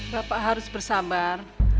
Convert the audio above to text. bapak harus bersambar